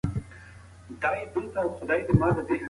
پاملرنه زده کړه پیاوړې کوي.